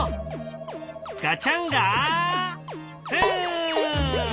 ガチャンガフン！